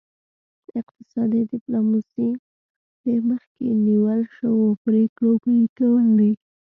اقتصادي ډیپلوماسي د مخکې نیول شوو پریکړو پلي کول دي